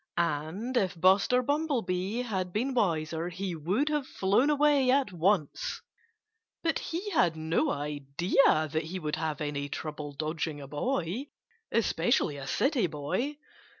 And if Buster Bumblebee had been wiser he would have flown away at once. But he had no idea that he would have any trouble dodging a boy especially a city boy.